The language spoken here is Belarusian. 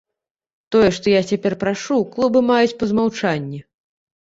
Тое, што я цяпер прашу, клубы маюць па змаўчанні.